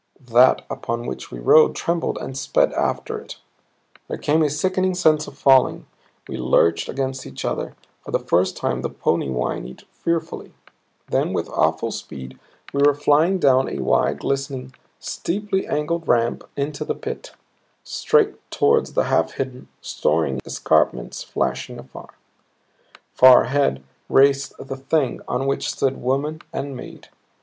That upon which we rode trembled and sped after it. There came a sickening sense of falling; we lurched against each other; for the first time the pony whinnied, fearfully. Then with awful speed we were flying down a wide, a glistening, a steeply angled ramp into the Pit, straight toward the half hidden, soaring escarpments flashing afar. Far ahead raced the Thing on which stood woman and maid.